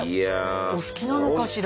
お好きなのかしら。